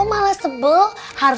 ini mami grey pertama